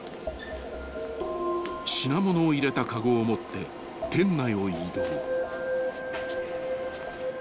［品物を入れたかごを持って店内を移動］